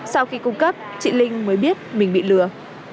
sau khi cung cấp chị linh mới biết mình bị lừa